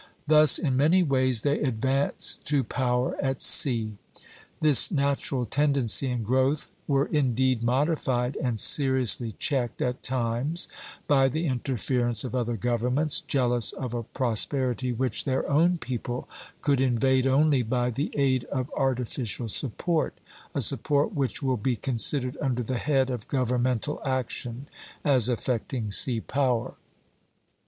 Thus in many ways they advanced to power at sea. This natural tendency and growth were indeed modified and seriously checked at times by the interference of other governments, jealous of a prosperity which their own people could invade only by the aid of artificial support, a support which will be considered under the head of governmental action as affecting sea power.